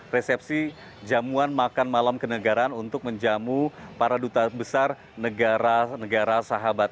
resepsi jamuan makan malam kenegaraan untuk menjamu para duta besar negara negara sahabat